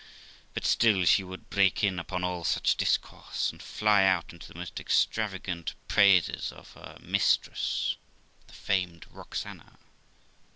But still she would break in upon all such discourse, and fly out into the most extravagant praises of her mistress, the famed Roxana.